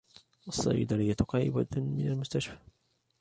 الصيدلية قريبة من المستشفى.